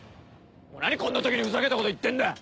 お前何こんな時にふざけたこと言ってんだよ！